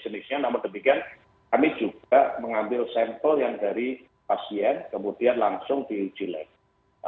namun demikian kami juga mengambil sampel yang dari pasien kemudian langsung diuji lagi